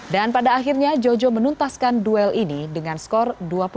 dan pada akhirnya jojo menuntaskan duel ini dengan skor dua puluh satu lima belas